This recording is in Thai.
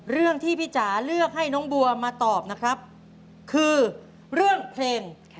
เรื่องที่พี่จ๋าเลือกให้น้องบัวมาตอบนะครับคือเรื่องเพลง